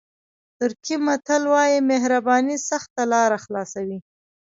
ترکي متل وایي مهرباني سخته لاره خلاصوي.